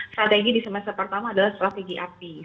strategi di semester pertama adalah strategi api